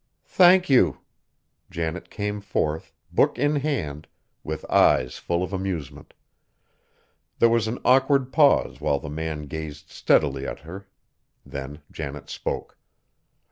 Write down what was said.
"Thank you." Janet came forth, book in hand, with eyes full of amusement. There was an awkward pause while the man gazed steadily at her. Then Janet spoke.